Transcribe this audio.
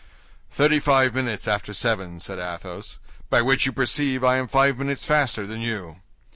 "Thirty five minutes after seven," said Athos, "by which you perceive I am five minutes faster than you."